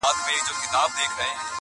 دعوه د سړيتوب دي لا مشروطه بولمیاره ,